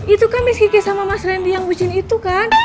itu kan miski kisah sama mas randy yang bucin itu kan